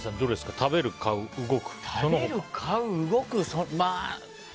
食べる、買う、動く。